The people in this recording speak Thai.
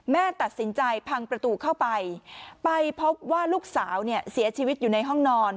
แม่ตัดสินใจพังประตูเข้าไปไปพบว่าลูกสาวเนี่ยเสียชีวิตอยู่ในห้องนอน